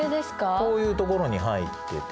こういうところに入ってて。